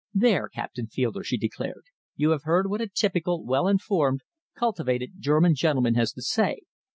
"There, Captain Fielder," she declared, "you have heard what a typical, well informed, cultivated German gentleman has to say.